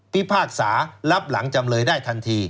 พิพากษารับหลังจำเลยได้ทันที